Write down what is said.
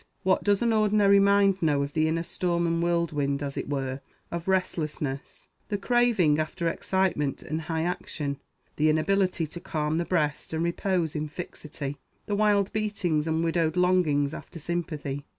What does an ordinary mind know of the inner storm and whirlwind, as it were, of restlessness; the craving after excitement and high action; the inability to calm the breast and repose in fixity; the wild beatings and widowed longings after sympathy?